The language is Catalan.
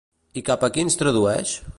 I cap a quins tradueix?